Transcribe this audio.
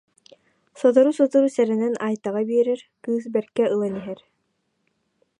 Сотору-сотору сэрэнэн Айтаҕа биэрэр, кыыс бэркэ ылан иһэр